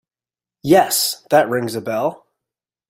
Yes, that rings a bell.